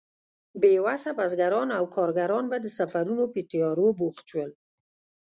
بې وسه بزګران او کارګران به د سفرونو په تيارو بوخت شول.